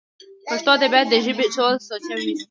پښتو ادبيات د ژبې ټول سوچه وييونو